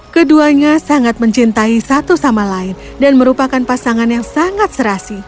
keduanya sangat mencintai satu sama lain dan merupakan pasangan yang sangat serasi